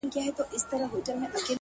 بلا وهلی يم ـ چي تا کوم بلا کومه ـ